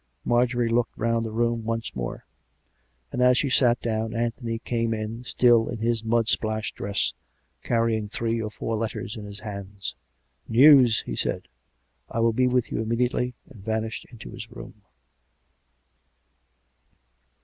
Marjorie looked round the room once more; and, as she sat down, Anthony came in, still in his mud splashed dress, carrying three or four letters in his hands. " News," he said. ..." I will be with you immedi ately," and vanished into his room.